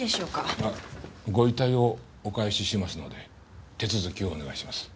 あご遺体をお返ししますので手続きをお願いします。